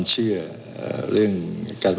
แต่เจ้าตัวก็ไม่ได้รับในส่วนนั้นหรอกนะครับ